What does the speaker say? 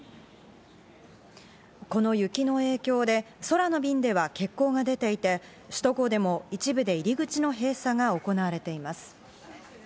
この雪の影響で空の便では欠航が出ていて、首都高でも一部で入り口の閉鎖が行われています。